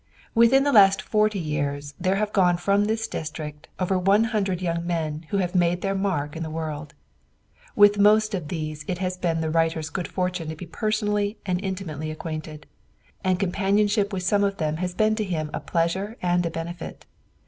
Within the last forty years there have gone from this district over one hundred young men who have made their mark in the world. With most of these it has been the writer's good fortune to be personally and intimately acquainted; and companionship with some of them has been to him a pleasure and a benefit.